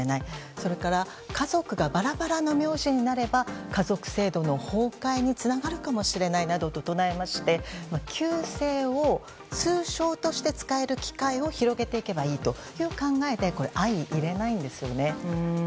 それから家族がバラバラな名字になれば家族制度の崩壊につながるかもしれないなどと唱えまして旧姓を通称として使える機会を広げていけばいいという考えで相容れないんですね。